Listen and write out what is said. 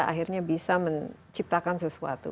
akhirnya bisa menciptakan sesuatu